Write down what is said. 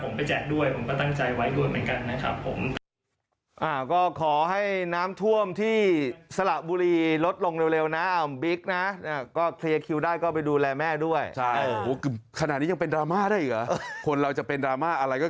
ผมไปแจกด้วยผมก็ตั้งใจไว้ด้วยเหมือนกันนะครับผม